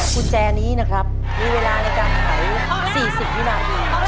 กุญแจนี้นะครับมีเวลาในการไข๔๐วินาที